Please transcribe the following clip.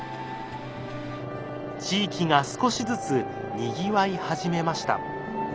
地域が少しずつにぎわい始めました。